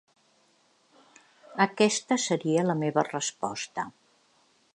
Aquesta seria la meva resposta.